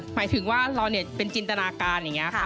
หมายถึงว่าเราเป็นจินตนาการอย่างนี้ค่ะ